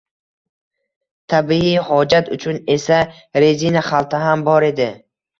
Tabiiy hojat uchun esa rezina xalta ham bor edi